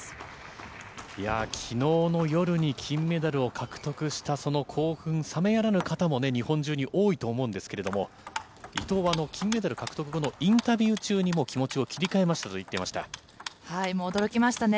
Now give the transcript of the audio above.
きのうの夜に金メダルを獲得したその興奮冷めやらぬ方も、日本中に多いと思うんですけれども、伊藤は金メダル獲得後のインタビュー中にもう気持ちを切り替えま驚きましたね。